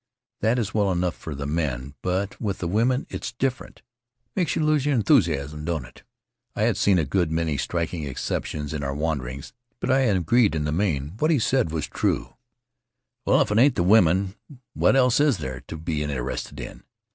That is well enough for the men, but with the women it's different. Makes you lose your enthusiasm, don't it?" I had seen a good many striking exceptions in our wanderings, but I agreed that, in the main, what he said was true. "Well, if it isn't the women, what else is there to be interested in?